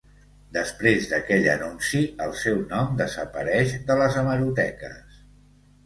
Després d'aquell anunci el seu nom desapareix de les hemeroteques.